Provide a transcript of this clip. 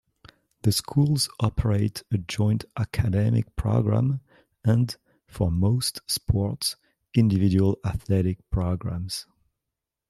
The schools operate a joint academic program and, for most sports, individual athletic programs.